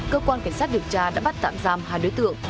cơ quan cảnh sát điều tra đã bắt tạm giam hai đối tượng